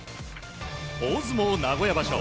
大相撲名古屋場所